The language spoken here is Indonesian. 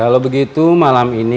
kalau begitu malam ini